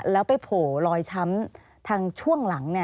แล้วไปโผล่รอยช้ำทางช่วงหลัง